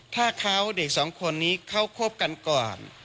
ถ้าเขาเด็กสองคนนี้เขาคบกันก่อน